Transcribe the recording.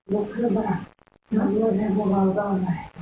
มูลเครื่องบ้านนำเงินให้พวกเราต้องกลาย